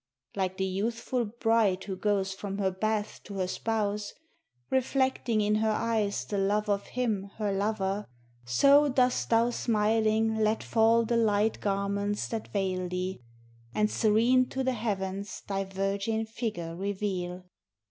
Like the youthful bride who goes from her bath to her spouse, Reflecting in her eyes the love of him her lover, So dost thou smiling let fall the light garments that veil thee, And serene to the heavens thy virgin figure reveal.